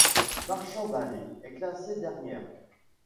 Marchand-Balet est classée dernière.